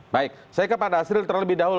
baik saya kepada dasril terlebih dahulu